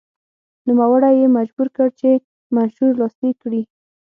نوموړی یې مجبور کړ چې منشور لاسلیک کړي.